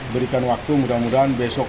berikan waktu mudah mudahan besok